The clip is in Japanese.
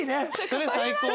それ最高。